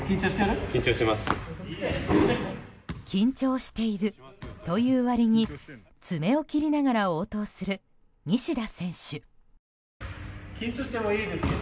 緊張しているという割に爪を切りながら応答する西田選手。